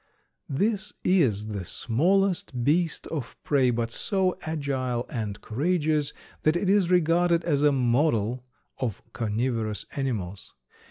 _) This is the smallest beast of prey, but so agile and courageous that it is regarded as a model of carnivorous animals.